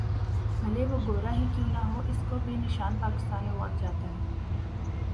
بھلے وہ گورا ہی کیوں نہ ہو اسکو بھی نشان پاکستان ایوارڈ جاتا ہے